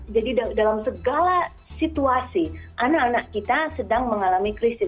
jadi dalam segala situasi anak anak kita sedang mengalami krisis